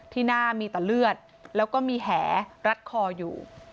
ที่หน้ามีต่อเลือดแล้วก็มีแหรัดคออยู่